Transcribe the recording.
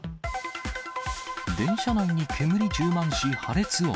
電車内に煙充満し破裂音。